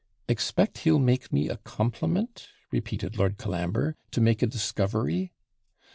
'Expect he'll make me a compliment,' repeated Lord Colambre, 'to make a discovery!'